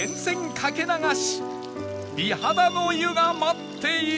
掛け流し美肌の湯が待っている